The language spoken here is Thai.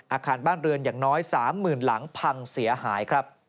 อาคารบ้านเรือนอย่างน้อย๓๐๐๐หลังพังเสียหายครับ